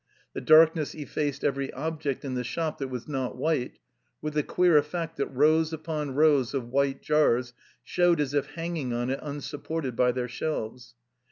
The darkness effaced every ob ject in the shop that was not white, with the queer effect that rows upon rows of white jars showed as if hanging on it tmsupported by their shelves.